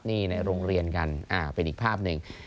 นี่ในโรงเรียนกันเป็นอีกภาพหนึ่ง